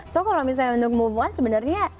so kalau misalnya untuk move on sebenarnya